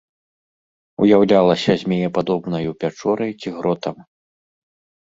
Уяўлялася змеепадобнаю пячорай ці гротам.